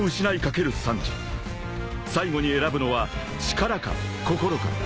［最後に選ぶのは力か心か］